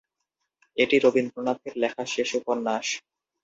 এটি রবীন্দ্রনাথের লেখা শেষ উপন্যাস।